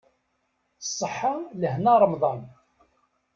Ṣṣeḥa lehna ṛemḍan.